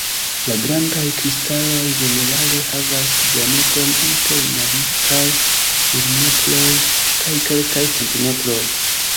La grandaj kristaloj ĝenerale havas diametron inter malmultaj milimetroj kaj kelkaj centimetroj.